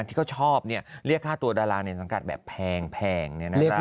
ที่เขาชอบเรียกค่าตัวดาราในสังกัดแบบแพง